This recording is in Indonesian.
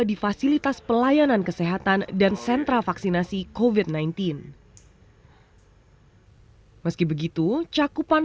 di fasilitas pelayanan kesehatan dan sentra vaksinasi kofit sembilan belas meski begitu cakupan